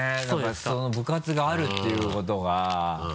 何かその部活があるっていうことが。